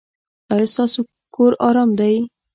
ایا ستاسو کور ارام دی؟